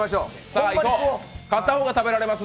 勝った方が食べられます。